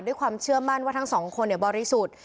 ด้วยความเชื่อมั่นว่าทั้งสองคนเนี่ยบริสุทธิ์